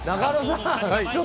中野さん！